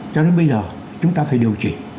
cho đến bây giờ chúng ta phải điều chỉnh